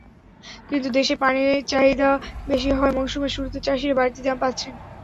কিন্তু দেশে পানে চাহিদা বেশি হওয়ায় মৌসুমের শুরুতে চাষিরা বাড়তি দাম পাচ্ছেন।